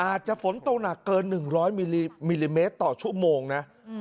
อาจจะฝนตกหนักเกิน๑๐๐มิลลิเมตรต่อชั่วโมงนะ